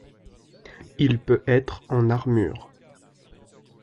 Il peut être en armure.